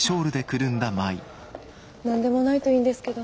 何でもないといいんですけど。